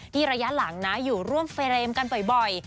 ระยะหลังนะอยู่ร่วมเฟรมกันบ่อย